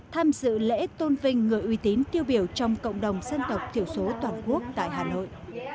tham dự lễ tôn vinh người uy tín tiêu biểu trong cộng đồng dân tộc thiểu số toàn quốc tại hà nội